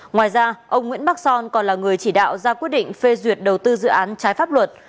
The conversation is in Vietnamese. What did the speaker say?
ngoài ra ông nguyễn bắc son còn là người chỉ đạo ra quyết định phê duyệt đầu tư dự án trái pháp luật